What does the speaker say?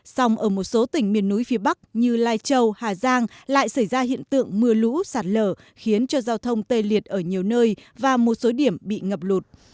sông ở một số tỉnh miền núi phía bắc như lai châu hà giang lại xảy ra hiện tượng mưa lũ sạt lở khiến cho giao thông tê liệt ở nhiều nơi và một số điểm bị ngập lụt